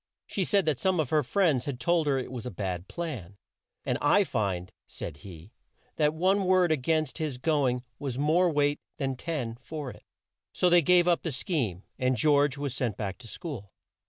She said that some of her friends had told her it was a bad plan, and "I find," said he "that one word a gainst his go ing has more weight than ten for it." So they gave up the scheme, and George was sent back to school.